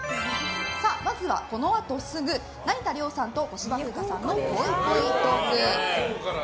まずは、このあとすぐ成田凌さんと小芝風花さんのぽいぽいトーク。